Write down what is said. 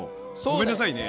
ごめんなさいね。